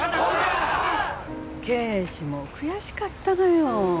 啓示も悔しかったのよ